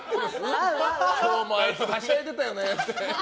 今日も、あいつはしゃいでたよねって。